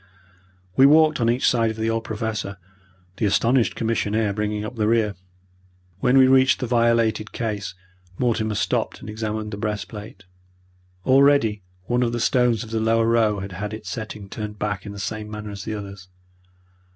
We walked on each side of the old Professor, the astonished commissionaire bringing up the rear. When we reached the violated case, Mortimer stopped and examined the breastplate. Already one of the stones of the lower row had had its setting turned back in the same manner as the others.